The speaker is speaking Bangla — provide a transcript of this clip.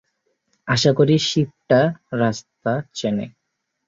আশা করি, শিপটা রাস্তা চেনে।